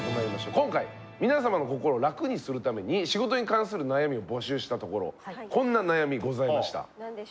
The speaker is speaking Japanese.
今回皆様の心をラクにするために仕事に関する悩みを募集したところこんな悩みございました。